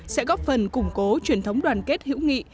sẽ góp phần củng cố truyền thống đoàn kết hữu nghị